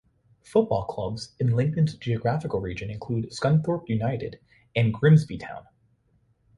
Football clubs in Lincoln's geographical region include Scunthorpe United and Grimsby Town.